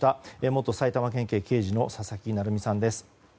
元埼玉県警刑事の佐々木成三さんです。